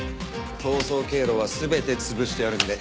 逃走経路は全て潰してあるので。